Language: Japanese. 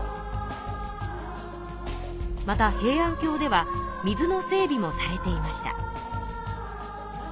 また平安京では水の整備もされていました。